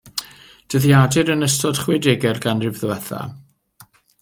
Dyddiadur yn ystod chwedegau'r ganrif ddiwethaf.